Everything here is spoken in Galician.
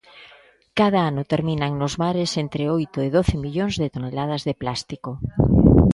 Cada ano terminan nos mares entre oito e doce millóns de toneladas de plástico.